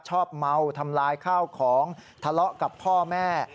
ชอบเมาทำลายข้าวของทะเลาะกับพ่อแม่